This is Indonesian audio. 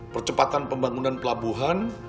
percepatan pembangunan pelabuhan